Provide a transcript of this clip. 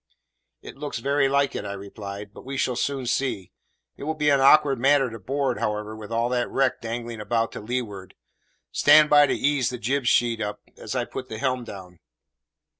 "It looks very like it," I replied; "but we shall soon see. It will be an awkward matter to board, however, with all that wreck dangling about to leeward. Stand by to ease the jib sheet up, as I put the helm down."